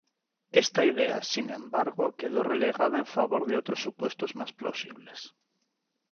Esta idea, sin embargo, quedó relegada en favor de otros supuestos más plausibles.